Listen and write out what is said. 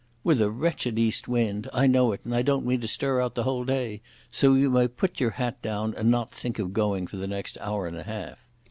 "With a wretched east wind. I know it, and I don't mean to stir out the whole day. So you may put your hat down, and not think of going for the next hour and a half."